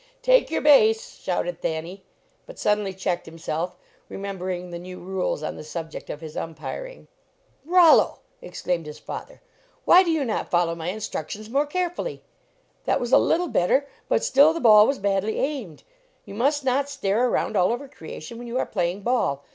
" Take your base!" shouted Thanny, but suddenly checked himself, remembering the new rules on the subject of his umpiring. " Rollo!" exclaimed his father, " why do you not follow my instructions more carefully? That was a little better, but still the ball was badly aimed. You must not stare around all over creation when you are playing ball.